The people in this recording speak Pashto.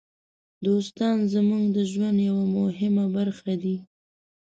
دوستان زموږ د ژوند یوه مهمه برخه دي.